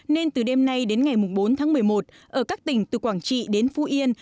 nên từ đêm nay đến ngày bốn tháng một mươi một ở các tỉnh từ quảng trị đến phú yên